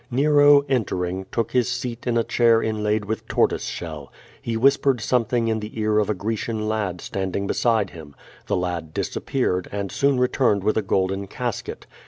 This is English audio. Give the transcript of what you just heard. Nero, entering, took his seat in a chair inlaid with tortoise shell. He whispered something in tiu» ear of a Grecian lad standing beside him. The lad disapj)ear ed and soon returned with a golden casket.